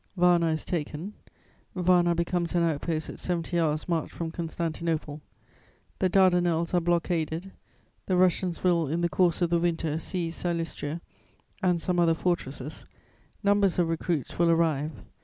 "Varna is taken, Varna becomes an outpost at seventy hours' march from Constantinople. The Dardanelles are blockaded; the Russians will, in the course of the winter, seize Silistria and some other fortresses; numbers of recruits will arrive.